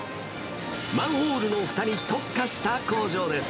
マンホールのふたに特化した工場です。